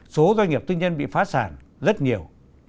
số doanh nghiệp tư nhân bị phá sản rất nhiều